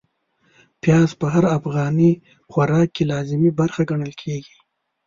پياز په هر افغاني خوراک کې لازمي برخه ګڼل کېږي.